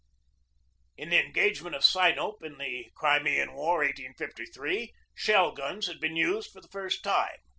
In the engagement of Sinope, in the Crimean War, 1853, shell guns had been used for the first time.